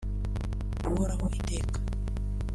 guhoraho iteka